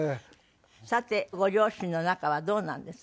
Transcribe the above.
さてご両親の仲はどうなんです？